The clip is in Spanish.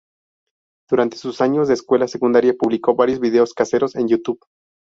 Durante sus años de escuela secundaria, publicó varios videos caseros en YouTube.